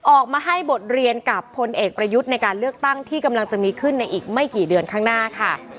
ออกมาให้บทเรียนกับพลเอกประยุทธ์ในการเลือกตั้งที่กำลังจะมีขึ้นในอีกไม่กี่เดือนข้างหน้าค่ะ